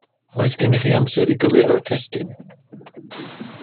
Oedd gennych chi amser i gywiro'r testun?